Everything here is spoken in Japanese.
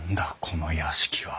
この屋敷は。